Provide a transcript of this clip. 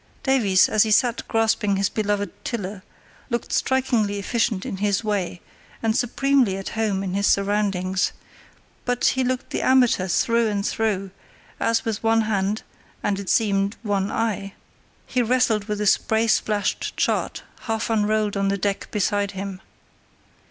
Davies, as he sat grasping his beloved tiller, looked strikingly efficient in his way, and supremely at home in his surroundings; but he looked the amateur through and through, as with one hand, and (it seemed) one eye, he wrestled with a spray splashed chart half unrolled on the deck beside him.